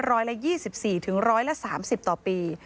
ร้อยละ๒๔ถึงร้อยละ๓๐ต่อปี